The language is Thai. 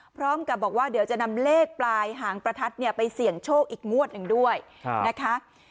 พร้อมกับบอกว่าเดี๋ยวจะนำเลขปลายหางประทัดเนี่ยไปเสี่ยงโชคอีกงวดหนึ่งด้วยนะคะ